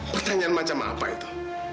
pertanyaan macam apa itu